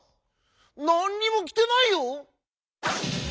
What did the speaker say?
なんにもきてないよ！」。